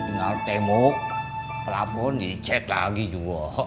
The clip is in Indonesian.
tinggal temuk pelabun dicet lagi juga